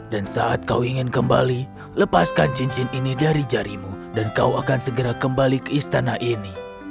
dan saat kau ingin kembali lepaskan cincin ini dari jarimu dan kau akan segera kembali ke istana ini